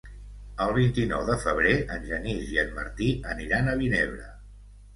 El vint-i-nou de febrer en Genís i en Martí aniran a Vinebre.